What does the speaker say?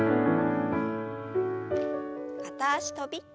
片脚跳び。